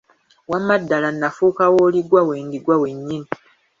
Wamma ddala nafuuka w’oliggwa wendiggwa yennyini.